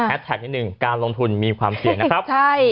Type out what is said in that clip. แอดแท็กนิดนึงการลงทุนมีความเสียนะครับ